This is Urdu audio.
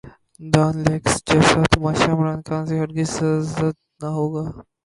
ڈان لیکس جیسا تماشا عمران خان سے ہر گز سرزد نہ ہوگا۔